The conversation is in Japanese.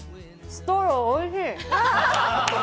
ストローおいしい。